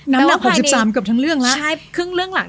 น้ำหนัก๖๓เกือบทั้งเรื่องละ